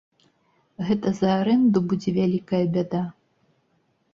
Гэта за арэнду будзе вялікая бяда?